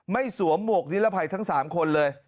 สวมหมวกนิรภัยทั้ง๓คนเลย